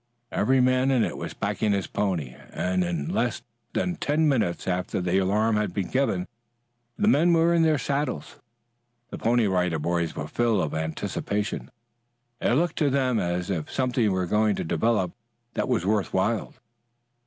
Every man in it was packing his pony and in less than ten minutes after the alarm had been given the men were in their saddles. The Pony Rider Boys were full of anticipation. It looked to them as if something were going to develop that was worth while.